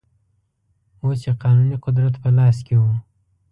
اوس یې قانوني قدرت په لاس کې و.